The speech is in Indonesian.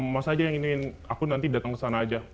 mas aja yang ingin aku nanti datang kesana aja